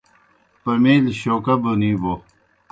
پمیلیْ شوکا بونِی بو۔